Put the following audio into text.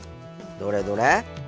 どれどれ？